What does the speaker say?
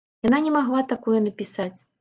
Яна не магла такое напісаць.